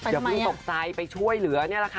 เดี๋ยวพี่ตกใส่ไปช่วยเหลือนี่แหละค่ะ